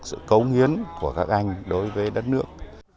sự cấu nghiến của các anh đối với đất nước